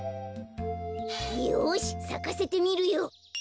よしさかせてみるよ。